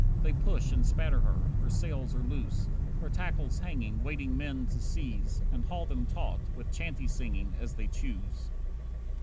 They push and spatter her. Her sails are loose, Her tackles hanging, waiting men to seize And haul them taut, with chanty singing, as they choose.